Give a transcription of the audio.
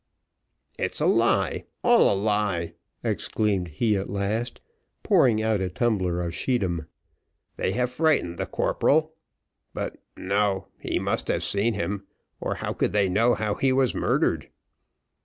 "It's a lie, all a lie," exclaimed he, at last, pouring out a tumbler of scheedam. "They have frightened the corporal. But no he must have seen him, or how could they know how he was murdered.